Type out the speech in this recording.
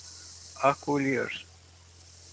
acolher